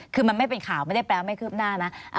คือมันไม่เป็นข่าวไม่ได้แปลว่าไม่คืบหน้านะ